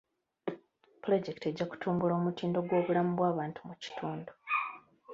Pulojekiti ejja kutumbula omutindo gw'obulamu bw'abantu mu kitundu.